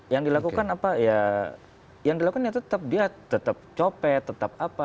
yang dilakukan apa ya yang dilakukan ya tetap dia tetap copet tetap apa